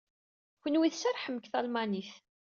Kenwi tserrḥem deg talmanit.